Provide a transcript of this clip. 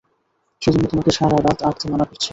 সেজন্য, তোমাকে সারা রাত আঁকতে মানা করছি।